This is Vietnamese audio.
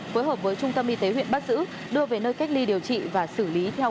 với hợp với trung tâm y tế huyện bát dữ đưa về nơi cách ly điều trị và xử lý theo quy định của pháp luật